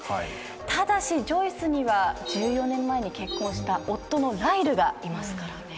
ただしジョイスには１４年前に結婚した夫のライルがいますからね。